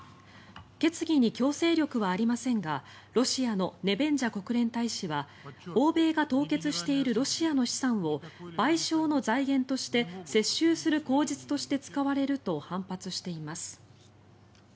決議に強制力はありませんがロシアのネベンジャ国連大使は欧米が凍結しているロシアの資産を賠償の財源として接収する口実として使われると反発しています。